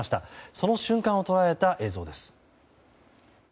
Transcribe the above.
その瞬間を捉えた映像です。